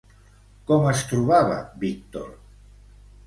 Com es trobava Víctor?